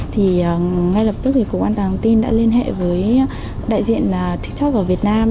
thì ngay lập tức thì cục an toàn thông tin đã liên hệ với đại diện tiktok ở việt nam